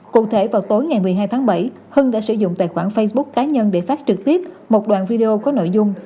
cụ thể vào tối ngày một mươi hai tháng bảy hưng đã sử dụng tài khoản facebook cá nhân để phát trực tiếp một đoạn video có nội dung